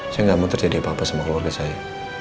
saya nggak mau terjadi apa apa sama keluarga saya